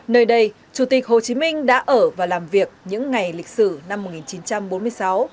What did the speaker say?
nơi đây chủ tịch hồ chí minh đã ở và làm việc những ngày lịch sử năm một nghìn chín trăm bốn mươi sáu